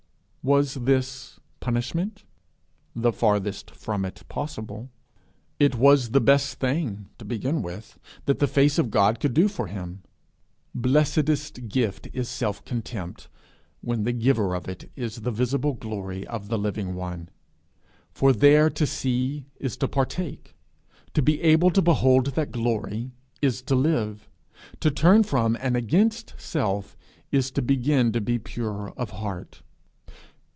Was this punishment? The farthest from it possible. It was the best thing to begin with that the face of God could do for him. Blessedest gift is self contempt, when the giver of it is the visible glory of the Living One. For there to see is to partake; to be able to behold that glory is to live; to turn from and against self is to begin to be pure of heart.